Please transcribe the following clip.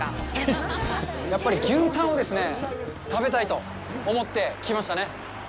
やっぱり牛タンを食べたいと思って来ましたね。